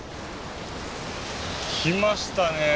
来ましたね剱沢。